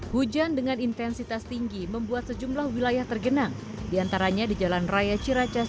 hujan dengan intensitas tinggi membuat sejumlah wilayah tergenang diantaranya di jalan raya ciracas